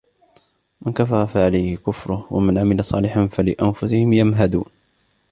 من كفر فعليه كفره ومن عمل صالحا فلأنفسهم يمهدون